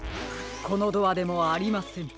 このドアでもありません。